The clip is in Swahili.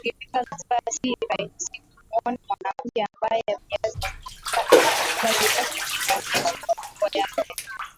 Ukifika Zanzibar si rahisi kumuona mwanamke ambaye vazi lake linaonyesha maungo yake